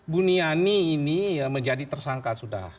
buniani ini menjadi tersangka sudah